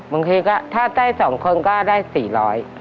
บางทีถ้าได้สองคนก็ได้สี่ร้อย